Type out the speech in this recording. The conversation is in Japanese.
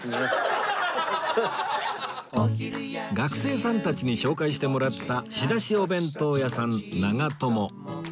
学生さんたちに紹介してもらった仕出しお弁当屋さんながとも